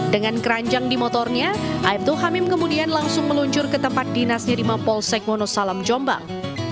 dengan keranjang di motornya aibtu hamim kemudian langsung meluncur ke tempat dinasnya di mapolsek wonosalam jombang